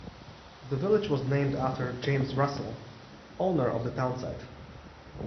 The village was named after James Russell, owner of the town site.